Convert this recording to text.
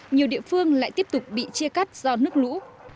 nhiều địa phương lại tiếp tục bị chia cắt do nước lũ